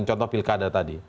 contoh pilkada tadi